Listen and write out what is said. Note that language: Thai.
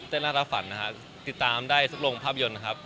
น่ารักฝันนะครับติดตามได้ทุกโรงภาพยนตร์นะครับ